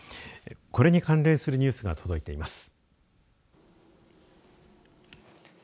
これに関連するニュースが届いています。